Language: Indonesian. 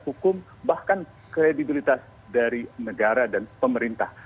hukum bahkan kredibilitas dari negara dan pemerintah